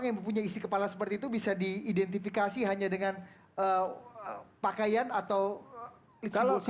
jadi isi kepala seperti itu bisa diidentifikasi hanya dengan pakaian atau simbol simbol tersebut